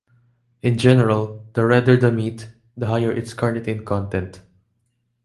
In general, the redder the meat, the higher its carnitine content.